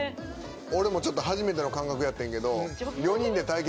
俺もちょっと初めての感覚やってんやけど。